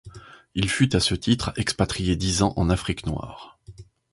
Il fut à ce titre expatrié dix ans en Afrique noire.